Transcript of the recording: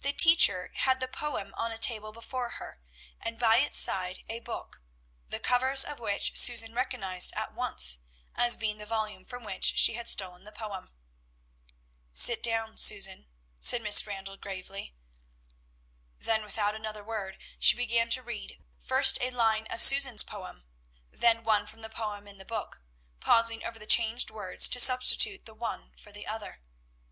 The teacher had the poem on a table before her, and by its side a book, the covers of which Susan recognized at once as being the volume from which she had stolen the poem. "Sit down, Susan," said Miss Randall gravely. Then without another word she began to read first a line of Susan's poem, then one from the poem in the book, pausing over the changed words, to substitute the one for the other.